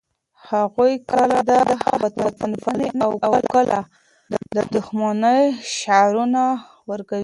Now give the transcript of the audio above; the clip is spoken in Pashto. هغوی کله د وطنپالنې او کله د دښمنۍ شعارونه ورکوي.